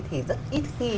thì rất ít khi